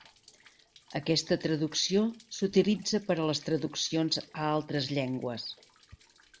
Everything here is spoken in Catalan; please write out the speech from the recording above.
Aquesta traducció s'utilitza per a les traduccions a altres llengües.